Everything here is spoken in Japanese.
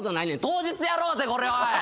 当日やろうぜこれおい！